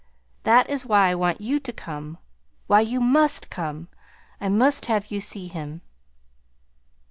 That is why I want you to come why you must come. I must have you see him.